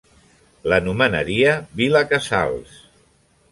L'anomenaria Vil·la Casals.